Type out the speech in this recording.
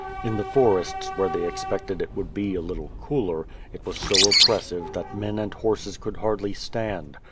In the forests, where they expected it would be a little cooler, it was so oppressive that men and horses could hardly stand.